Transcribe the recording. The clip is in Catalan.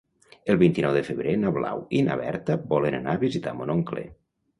El vint-i-nou de febrer na Blau i na Berta volen anar a visitar mon oncle.